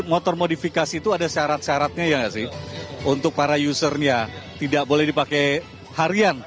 motor modifikasi itu ada syarat syaratnya ya nggak sih untuk para usernya tidak boleh dipakai harian